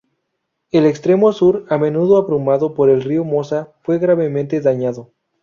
El extremo sur, a menudo abrumado por el río Mosa, fue gravemente dañado.